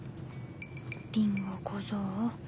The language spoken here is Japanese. リンゴ小僧